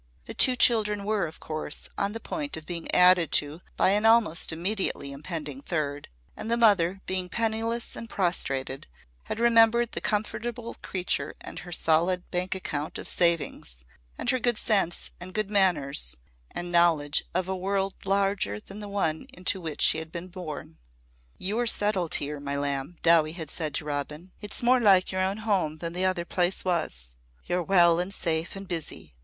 The two children were, of course, on the point of being added to by an almost immediately impending third, and the mother, being penniless and prostrated, had remembered the comfortable creature with her solid bank account of savings and her good sense and good manners and knowledge of a world larger than the one into which she had been born. "You're settled here, my lamb," Dowie had said to Robin. "It's more like your own home than the other place was. You're well and safe and busy.